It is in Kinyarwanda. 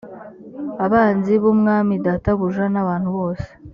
abanzi b umwami databuja n abantu bose